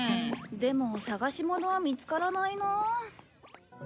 でも捜し物は見つからないなあ。